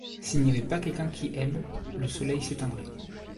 S’il n’y avait pas quelqu’un qui aime, le soleil s’éteindrait.